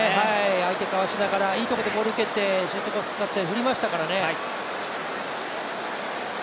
相手かわしながら、いいところでボール蹴ってシュートコース使いましたからね。